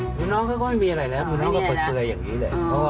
หมูน้องก็ไม่มีอะไรแล้วหมูน้องก็เปิดเกลืออย่างนี้เลย